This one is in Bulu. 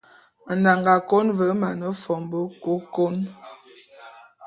Nnanga kôn ve mane fombô nkôkon.